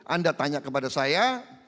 anda tanya kepada saya